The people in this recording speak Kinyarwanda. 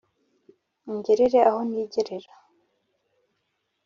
ungerere aho ntigerera